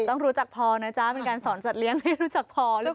ต้องรู้จักพอนะจ๊ะเป็นการสอนจัดเลี้ยงไม่รู้จักพอหรือเปล่า